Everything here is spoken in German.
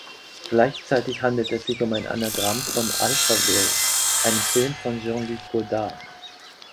Gleichzeitig handelt es sich um ein Anagramm von "Alphaville," einem Film von Jean-Luc Godard.